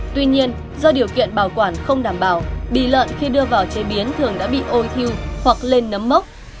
tuy nhiên do điều kiện bảo quản không đảm bảo bì lợn khi đưa vào chế biến thường đã bị ôi thiêu hoặc lên nấm mốc